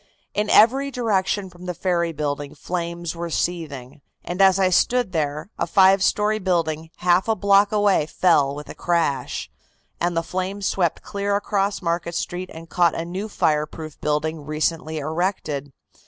"In every direction from the ferry building flames were seething, and as I stood there, a five story building half a block away fell with a crash, and the flames swept clear across Market Street and caught a new fireproof building recently erected.